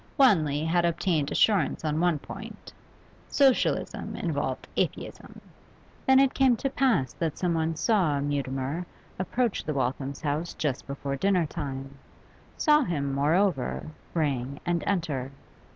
Wanley had obtained assurance on one point Socialism involved Atheism. Then it came to pass that someone saw Mutimer approach the Walthams' house just before dinner time; saw him, moreover, ring and enter.